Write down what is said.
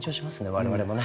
我々もね。